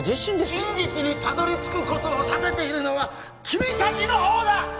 真実にたどり着くことを避けているのは君達の方だ！